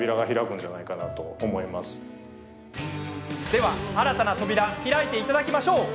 では、新たな扉を開いていただきましょう。